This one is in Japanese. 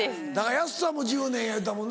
安さんも１０年や言うてたもんな。